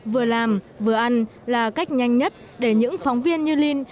vừa làm vừa ăn là cách nhanh nhất để những phóng viên như linh